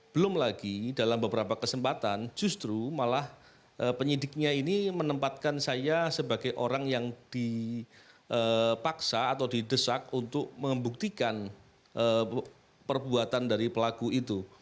belum lagi dalam beberapa kesempatan justru malah penyidiknya ini menempatkan saya sebagai orang yang dipaksa atau didesak untuk membuktikan perbuatan dari pelaku itu